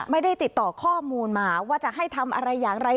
ไม่ได้ติดต่อข้อมูลมาว่าจะให้ทำอะไรอย่างไร